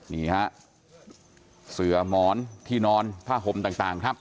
นี่ฮะเสือหมอนที่นอนผ้าห่มต่างครับ